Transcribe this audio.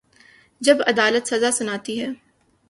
جب عدالت سزا سناتی ہے۔